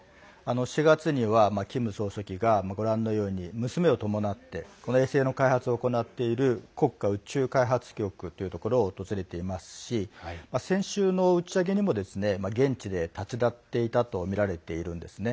４月にはキム総書記がご覧のように娘を伴って衛星の開発を行っている国家宇宙開発局というところを訪れていますし先週の打ち上げにも現地で立ち会っていたとみられているんですね。